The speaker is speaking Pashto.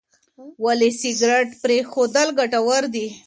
ولې سګریټ پرېښودل ګټور دي؟